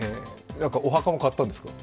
お墓も買ったんですって？